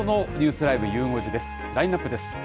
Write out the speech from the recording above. ラインナップです。